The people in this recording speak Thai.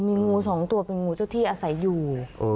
มีงูสองตัวเป็นงูเจ้าที่อาศัยอยู่